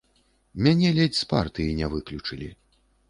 Мяне ледзь з партыі не выключылі.